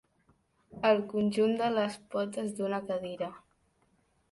El conjunt de les potes d'una cadira.